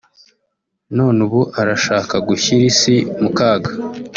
none ubu arashaka gushyira isi mu kaga